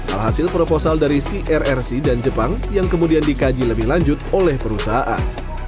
alhasil proposal dari crrc dan jepang yang kemudian dikaji lebih lanjut oleh perusahaan